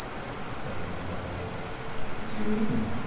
said Michel Ardan. "What do you mean?"